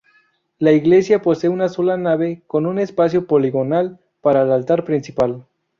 La iglesia posee una sola nave con un espacio poligonal para el altar principal.